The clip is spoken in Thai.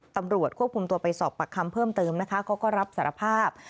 ตำรวจควบคุมตัวไปสอบปากคำเพิ่มเติมนะคะเขาก็รับสารภาพ